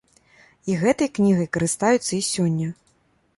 І гэтай кнігай карыстаюцца і сёння.